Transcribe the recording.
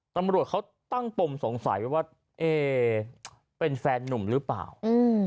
ตำรวจเขาตั้งปมสงสัยไปว่าเอ๊เป็นแฟนนุ่มหรือเปล่าอืม